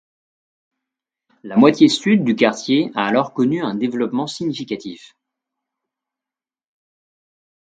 La moitié sud du quartier a alors connu un développement significatif.